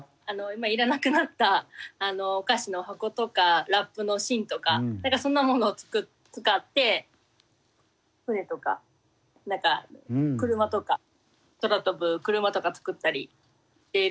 今いらなくなったお菓子の箱とかラップの芯とかそんなものを使って船とか何か車とか空飛ぶ車とか作ったりしていることが多いです。